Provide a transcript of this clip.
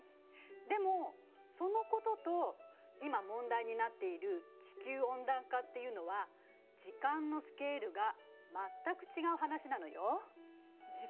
でもそのことと今問題になっている地球温暖化っていうのは時間のスケールが全く違う話なのよ。